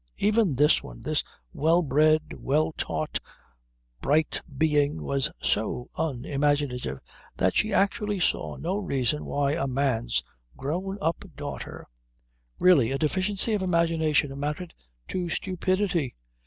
Even this one, this well bred, well taught bright being, was so unimaginative that she actually saw no reason why a man's grown up daughter.... Really a deficiency of imagination amounted to stupidity.